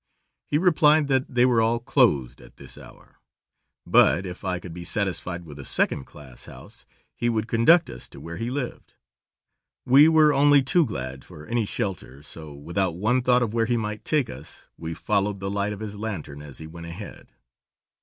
He replied that they were all closed at this hour, but if I could be satisfied with a second class house, he would conduct us to where he lived. We were only too glad for any shelter, so without one thought of where he might take us, we followed the light of his lantern as he went ahead.